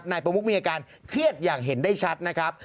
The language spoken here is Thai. นายประมุกมีอาการเครียดอย่างเห็นได้ชัดนะครับ